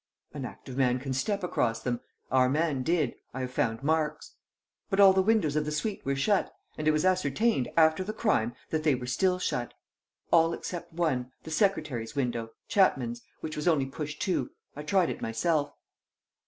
"An active man can step across them. Our man did. I have found marks." "But all the windows of the suite were shut; and it was ascertained, after the crime, that they were still shut." "All except one, the secretary's window, Chapman's, which was only pushed to. I tried it myself."